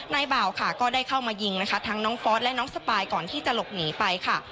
บ่าวค่ะก็ได้เข้ามายิงนะคะทั้งน้องฟอสและน้องสปายก่อนที่จะหลบหนีไปค่ะ